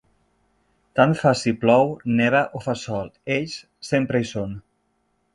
Tant fa si plou, neva o fa sol, ells sempre hi són.